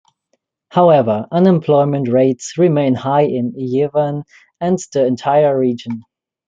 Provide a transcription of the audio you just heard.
However, unemployment rates remain high in Ijevan and the entire region.